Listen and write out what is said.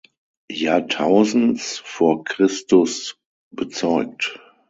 Jahrtausends vor Christus bezeugt.